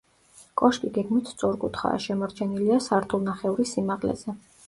კოშკი გეგმით სწორკუთხაა, შემორჩენილია სართულნახევრის სიმაღლეზე.